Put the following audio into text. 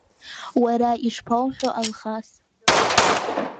Уара ишԥоуҳәо, Алхас?